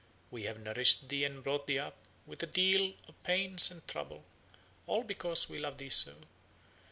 We have nourished thee and brought thee up with a deal of pains and trouble, all because we love thee so.